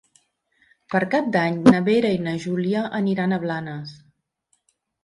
Per Cap d'Any na Vera i na Júlia aniran a Blanes.